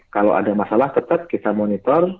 kalau ada masalah tetap kita monitor